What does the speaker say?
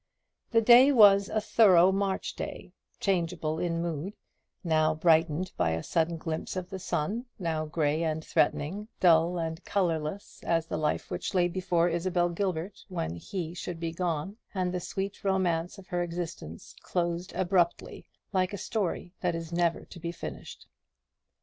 The day was a thorough March day changeable in mood now brightened by a sudden glimpse of the sun, now grey and threatening, dull and colourless as the life which lay before Isabel Gilbert when he should be gone, and the sweet romance of her existence closed abruptly, like a story that is never to be finished.